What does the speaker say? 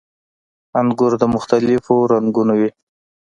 • انګور د مختلفو رنګونو وي.